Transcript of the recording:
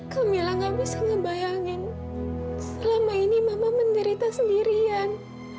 kamila gak bisa ngebayangin selama ini mama menderita sendirian